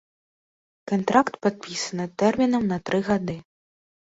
Кантракт падпісаны тэрмінам на тры гады.